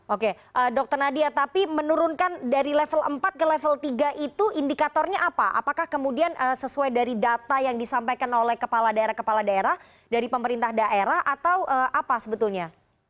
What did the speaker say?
oke dr nadia tapi menurunkan dari level empat ke level tiga itu indikatornya apa apakah kemudian sesuai dari data yang disampaikan oleh kepala daerah kepala daerah dari pemerintah daerah atau apa sebetulnya